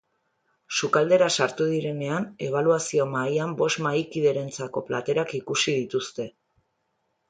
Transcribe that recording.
Sukaldera sartu direnean, ebaluazio mahaian bost mahaikiderentzako platerak ikusi dituzte.